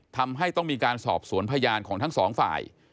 ทำให้ต้องมีการสอบสวนพยานของทั้งสองฝ่าย